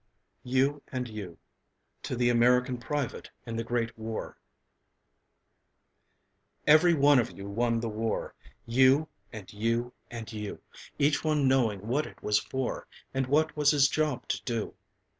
_ You and You To the American Private in the Great War Every one of you won the war You and you and you Each one knowing what it was for, And what was his job to do.